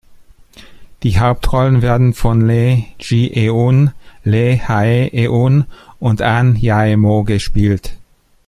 Die Hauptrollen werden von Lee Ji-eun, Lee Hae-eun und Ahn Jae-mo gespielt.